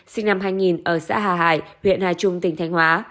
sinh năm hai nghìn ở xã hà hải huyện hà trung tỉnh thanh hóa